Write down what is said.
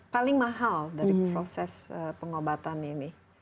paling mahal dari proses pengobatan ini